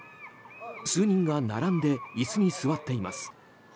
数人が並んで椅子に座っています。